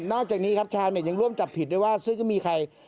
อกจากนี้ครับชาวเน็ตยังร่วมจับผิดได้ว่าซึ่งจะมีใคร